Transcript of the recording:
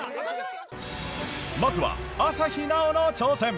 まずは朝日奈央の挑戦。